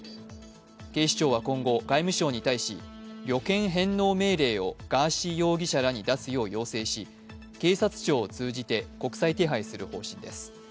警視長は今後、外務省に対し旅券返納命令をガーシー容疑者らに出すよう要請し、警察庁を通じて国際手配する方針です。